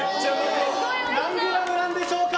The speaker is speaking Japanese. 何グラムなんでしょうか